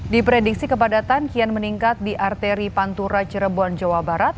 diprediksi kepadatan kian meningkat di arteri pantura cirebon jawa barat